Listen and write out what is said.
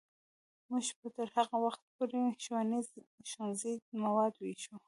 موږ به تر هغه وخته پورې ښوونیز مواد ویشو.